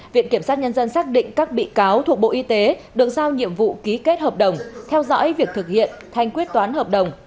viện kiểm sát nhân dân xác định các bị cáo thuộc bộ y tế được giao nhiệm vụ ký kết hợp đồng theo dõi việc thực hiện thanh quyết toán hợp đồng